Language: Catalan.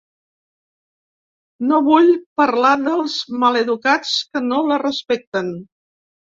No vull parlar dels maleducats que no la respecten.